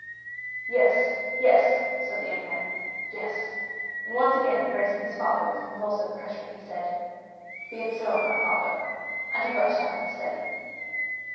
'" "Yes, yes," said the young man, "yes;" and once again embracing his father with convulsive pressure, he said, "Be it so, my father." And he rushed out of the study.